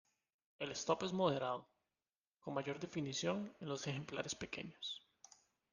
El "stop" es moderado, con mayor definición en los ejemplares pequeños.